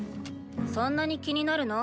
そんなに気になるの？